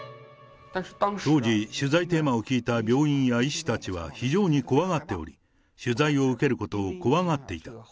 当時、取材テーマを聞いた病院や医師たちは非常に怖がっており、取材を受けることを怖がっていた。